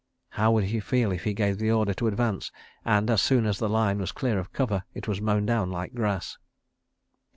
How would he feel if he gave the order to advance and, as soon as the line was clear of cover, it was mown down like grass?